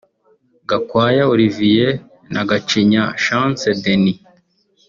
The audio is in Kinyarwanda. Gakwaya Olivier na Gacinya Chance Denys